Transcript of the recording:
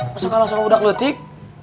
masa kalau sudah ketik